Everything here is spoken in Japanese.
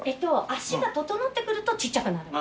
足が整ってくるとちっちゃくなる。